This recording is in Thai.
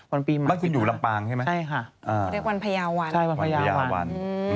วันปีใหม่๑๕คันครับใช่ไหมคะวันพญาวัน